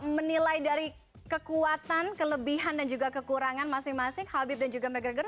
menilai dari kekuatan kelebihan dan juga kekurangan masing masing habib dan juga mcgregor